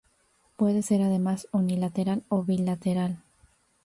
Puede ser además unilateral o bilateral.